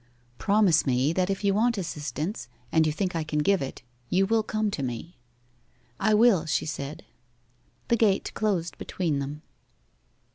'Promise me that if you want assistance, and you think I can give it, you will come to me.' 'I will,' she said. The gate closed between them.